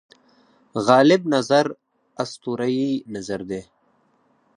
غالب نظر اسطوره یي نظر دی.